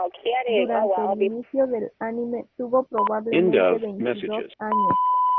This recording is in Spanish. Durante el inicio del anime tuvo probablemente veintidós años.